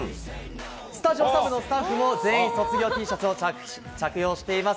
スタジオサブのスタッフも全員このＴシャツを着用しています。